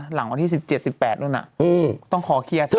หลังวันที่สิบเจ็ดสิบแปดเอิ้นน่ะคือต้องขอคี่